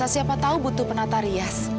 siapa tahu butuh penata rias